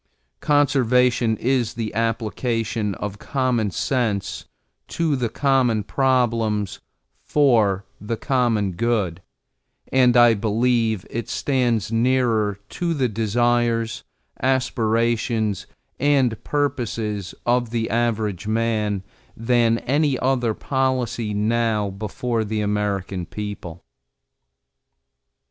Conservation is the application of common sense to the common problems for the common good, and I believe it stands nearer to the desires, aspirations, and purposes of the average man than any other policy now before the American people.